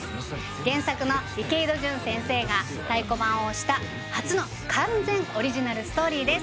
原作の池井戸潤先生が太鼓判を押した初の完全オリジナルストーリーです